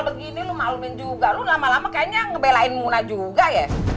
begini lu maklumin juga lu lama lama kayaknya ngebelain muna juga ya